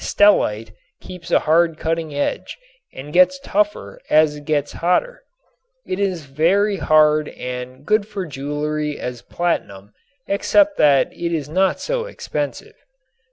Stellite keeps a hard cutting edge and gets tougher as it gets hotter. It is very hard and as good for jewelry as platinum except that it is not so expensive.